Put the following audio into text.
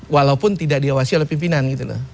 walaupun tidak diawasi oleh pimpinan